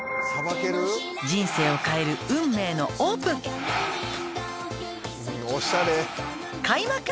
「人生を変える運命のオープン」「開幕！」